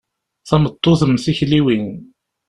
Tameṭṭut mm tikliwin.